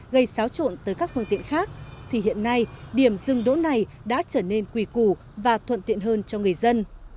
gây xáo trộn tới các phương tiện khác thì hiện nay điểm dừng đỗ này đã trở nên quỳ củ và thuận tiện hơn cho người dân